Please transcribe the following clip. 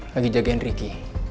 lagi jagain ricky